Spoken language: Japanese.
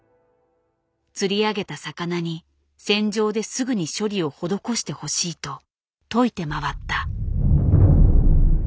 釣り上げた魚に船上ですぐに処理を施してほしいと説いて回った。